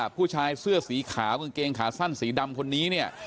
ผู้ชายเสื้อสีขาวกางเกงขาสั้นสีดำคนนี้เนี่ย